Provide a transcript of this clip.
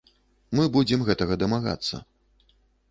Мы будзем гэтага дамагацца.